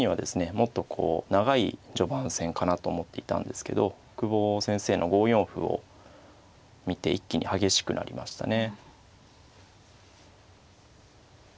もっとこう長い序盤戦かなと思っていたんですけど久保先生の５四歩を見て一気に激しくなりましたね。